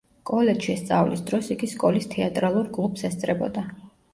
კოლეჯში სწავლის დროს, იგი სკოლის თეატრალურ კლუბს ესწრებოდა.